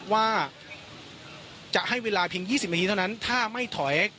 ว่าจะให้เวลาเพียง๒๐นาทีเท่านั้นถ้าไม่ถอย